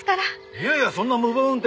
いやいやそんな無謀運転